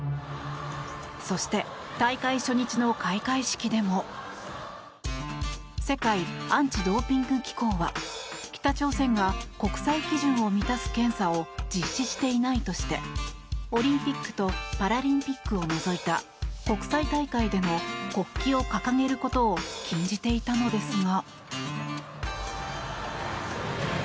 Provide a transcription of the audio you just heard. そして、大会初日の開会式でも世界アンチ・ドーピング機構は北朝鮮が国際基準を満たす検査を実施していないとしてオリンピックとパラリンピックを除いた国際大会での国旗を掲げることを禁じていたのですが。